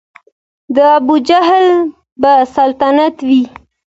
د ابوجهل به سلطنت وي